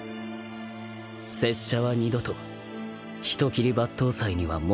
拙者は二度と人斬り抜刀斎には戻らない